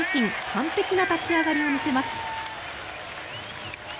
完璧な立ち上がりを見せます。